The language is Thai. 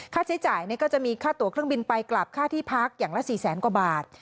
ค่าใช้จ่ายก็จะมีค่าตัวเครื่องบินไปกลับค่าที่พักอย่างละ๔แสนกว่าบาท